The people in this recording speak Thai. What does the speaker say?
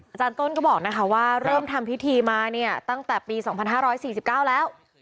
อาจารย์ต้นก็บอกนะคะว่าเริ่มทำพิธีมาเนี่ยตั้งแต่ปี๒๕๔๙แล้ว